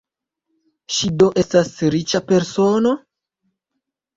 Ŝi do estas riĉa persono?